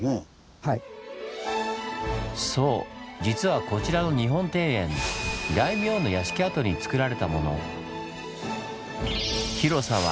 実はこちらの日本庭園大名の屋敷跡につくられたもの。